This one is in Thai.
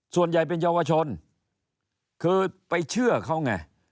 ส่วนใหญ่เป็นเยาวชนคือไปเชื่อเขาไง